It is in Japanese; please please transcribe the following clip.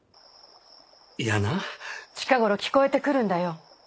いやな近頃聞こえてくるんだよ